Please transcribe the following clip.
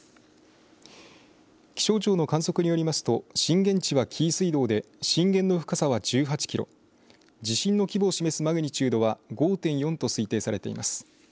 気象庁の観測によりますと震源地は紀伊水道で震源の深さは１８キロ地震の規模を示すマグニチュードは５．４と推定されています。